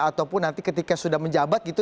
ataupun nanti ketika sudah menjabat gitu